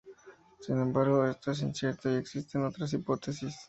Sin embargo, esto es incierto y existen otras hipótesis.